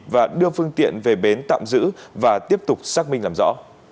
và đưa phương tiện về bến tạm giữ và tiếp tục xác minh làm rõ